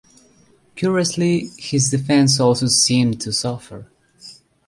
Curiously, his defense also seemed to suffer.